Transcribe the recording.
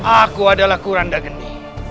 aku adalah kuranda geni